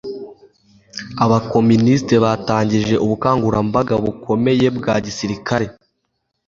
abakomunisiti batangije ubukangurambaga bukomeye bwa gisirikare